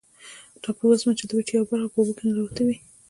ټاپووزمه د وچې یوه برخه په اوبو کې ننوتلې وي.